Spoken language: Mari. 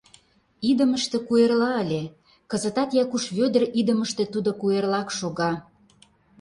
Идымыште куэрла ыле, кызытат Якуш Вӧдыр идымыште тудо куэрлак шога.